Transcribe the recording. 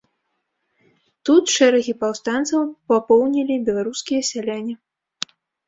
Тут шэрагі паўстанцаў папоўнілі беларускія сяляне.